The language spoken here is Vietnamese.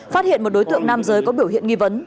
phát hiện một đối tượng nam giới có biểu hiện nghi vấn